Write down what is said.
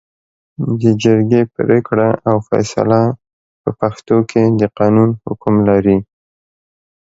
د جرګې پرېکړه او فېصله په پښتو کې د قانون حکم لري